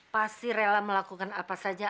pasti rela melakukan apa saja